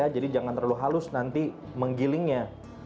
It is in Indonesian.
jadi jangan terlalu halus nanti menggilingnya